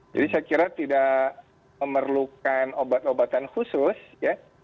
jadi saya kira tidak memerlukan obat obatan khusus ya